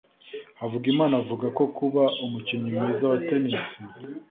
Havugimana avuga ko kuba umukinnyi mwiza wa Tennis